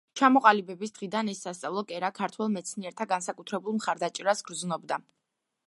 ჩამოყალიბების დღიდან ეს სასწავლო კერა ქართველ მეცნიერთა განსაკუთრებულ მხარდაჭერას გრძნობდა.